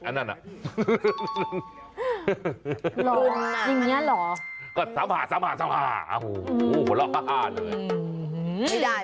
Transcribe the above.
หรออ่ะมันหรอก็ซ้ำหาหลอกข้ามฟ้าเลย